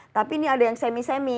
tapi ini ada yang semi semi